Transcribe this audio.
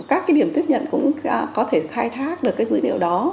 các cái điểm tiếp nhận cũng có thể khai thác được cái dữ liệu đó